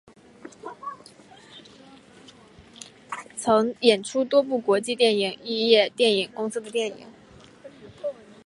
曾演出多部国际电影懋业电影公司的电影。